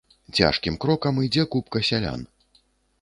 Цяжкім крокам ідзе купка сялян.